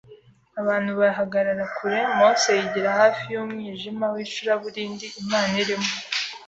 ’ Abantu bahagarara kure. Mose yigira hafi y’umwijima w’icuraburindi Imana irimo